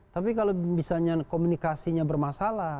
tapi kalau misalnya komunikasinya bermasalah